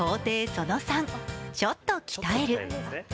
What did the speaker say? その３ちょっと鍛える。